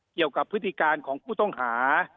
เกี่ยวกับพฤติการของผู้ต้องหา